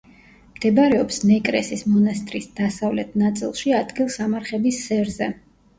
მდებარეობს ნეკრესის მონასტრის დასავლეთ ნაწილში, ადგილ სამარხების სერზე.